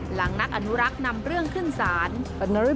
หลังนักอนุรักษ์นำเรื่องขึ้นศาล